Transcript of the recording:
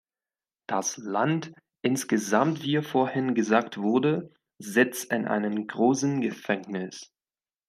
Das Land insgesamt wir vorhin gesagt wurde sitzt in einem großen Gefängnis.